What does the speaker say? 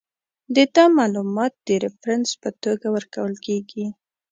د ده معلومات د ریفرنس په توګه ورکول کیږي.